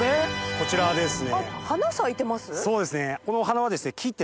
こちらはですね。